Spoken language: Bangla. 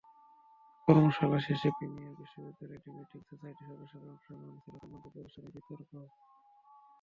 কর্মশালা শেষে প্রিমিয়ার বিশ্ববিদ্যালয় ডিবেটিং সোসাইটির সদস্যদের অংশগ্রহণে ছিল প্রাণবন্ত প্রদর্শনী বিতর্ক।